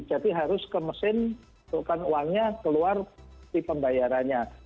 jadi harus ke mesin untukkan uangnya keluar di pembayarannya